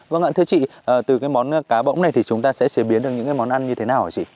vâng ạ thưa chị từ cái món cá bỗng này thì chúng ta sẽ chế biến được những cái món ăn như thế nào hả chị